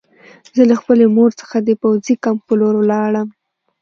زه له خپلې مور څخه د پوځي کمپ په لور لاړم